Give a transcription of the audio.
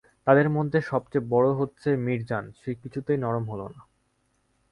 তাদের মধ্যে সব চেয়ে বড়ো হচ্ছে মিরজান, সে কিছুতেই নরম হল না।